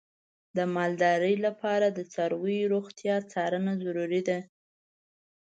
د مالدارۍ لپاره د څارویو روغتیا څارنه ضروري ده.